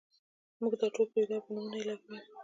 موږ دا ټول پرېږدو او په نومونو لګیا یو.